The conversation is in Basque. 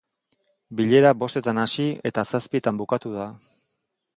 Bilera bostetan hasi, eta zazpietan bukatu da.